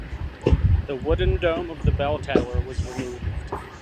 The wooden dome of the bell tower was removed.